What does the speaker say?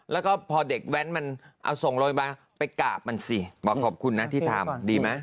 แล้วก็พอเด็กแว้นเอาส่งเลยไปกราบมันขอบคุณนะที่ทำดีไหม